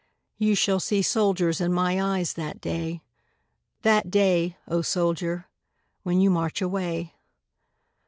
You shall see soldiers in my eyes that day That day, O soldier, when you march away.